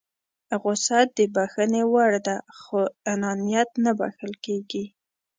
غوسه د بښنې وړ ده خو انانيت نه بښل کېږي.